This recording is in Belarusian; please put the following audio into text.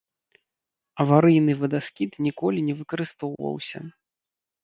Аварыйны вадаскід ніколі не выкарыстоўваўся.